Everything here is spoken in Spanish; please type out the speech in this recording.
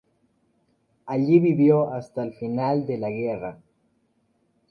Allí vivió hasta el final de la guerra.